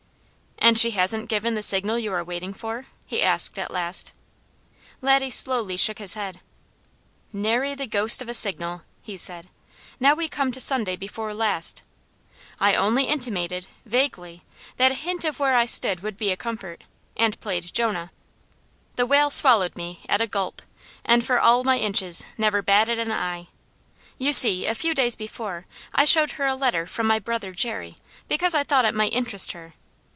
"And she hasn't given the signal you are waiting for?" he asked at last. Laddie slowly shook his head. "Nary the ghost of a signal!" he said. "Now we come to Sunday before last. I only intimated, vaguely, that a hint of where I stood would be a comfort and played Jonah. The whale swallowed me at a gulp, and for all my inches, never batted an eye. You see, a few days before I showed her a letter from my brother Jerry, because I thought it might interest her.